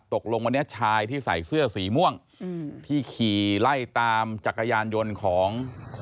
ตกลงวันนี้ชายที่ใส่เสื้อสีม่วง